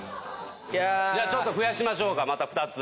ちょっと増やしましょうかまた２つ。